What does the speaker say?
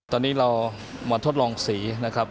ตอนนี้เรามาทดลองสีนะครับ